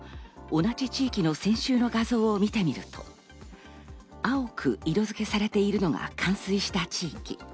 同じ地域の先週の画像を見てみると、青く色付けされているのが冠水した地域。